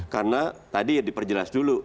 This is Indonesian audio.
karena tadi ya diperjelas dulu